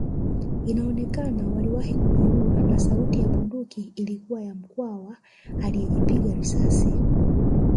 Inaonekana waliwahi kujiua na sauti ya bunduki ilikuwa ya Mkwawa aliyejipiga risasi